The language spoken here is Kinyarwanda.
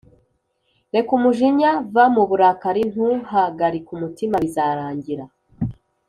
Reka umujinya va mu burakari ntuhagarike umutima bizarangira